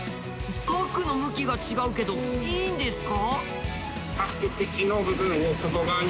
パックの向きが違うけどいいんですか？